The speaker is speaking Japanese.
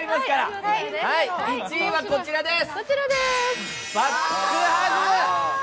１位はこちらです。